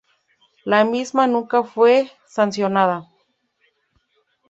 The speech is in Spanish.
La misma nunca fue sancionada.